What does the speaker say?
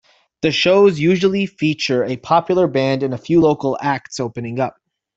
The shows usually feature a popular band and a few local acts opening up.